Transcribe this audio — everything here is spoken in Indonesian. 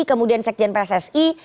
kemudian sekjen pssi